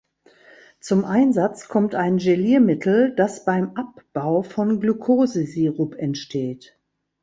Zum Einsatz kommt ein Geliermittel, das beim Abbau von Glukosesirup entsteht.